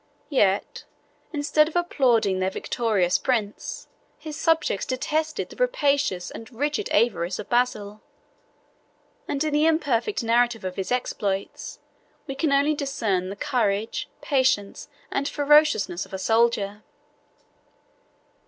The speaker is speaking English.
Yet, instead of applauding their victorious prince, his subjects detested the rapacious and rigid avarice of Basil; and in the imperfect narrative of his exploits, we can only discern the courage, patience, and ferociousness of a soldier.